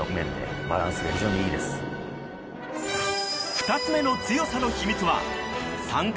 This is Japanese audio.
２つ目の強さの秘密は参加